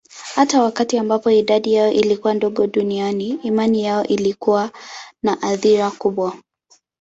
Hata wakati ambapo idadi yao ilikuwa ndogo duniani, imani yao ilikuwa na athira kubwa.